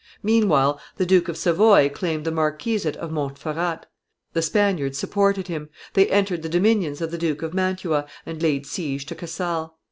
Meanwhile the Duke of Savoy claimed the marquisate of Montferrat; the Spaniards supported him; they entered the dominions of the Duke of Mantua, and laid siege to Casale.